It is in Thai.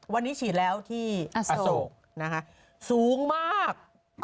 วันนี้ฉีดแล้วที่อโศกสูงมาก